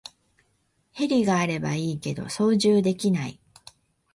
ヘリがあればいいけど操縦できない